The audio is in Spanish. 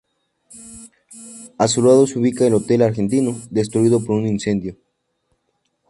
A su lado se ubicaba el "Hotel Argentino", destruido por un incendio.